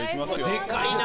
でかいな。